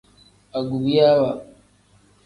Agubuyaawa.